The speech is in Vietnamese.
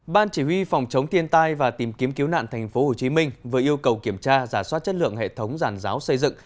ban chỉ huy phòng chống thiên tai và tìm kiếm cứu nạn tp hcm vừa yêu cầu kiểm tra giả soát chất lượng hệ thống giàn giáo xây dựng